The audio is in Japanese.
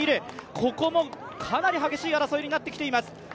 ここもかなり激しい争いになってきています。